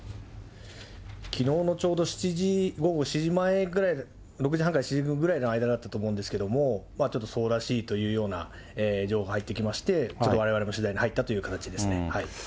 きのうのちょうど７時、午後７時前、６時半から７時ぐらいの間だったと思うんですけど、ちょっとそうらしいというような情報が入ってきまして、ちょっとわれわれも取材に入ったという形ですね。